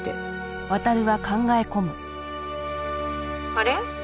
「あれ？」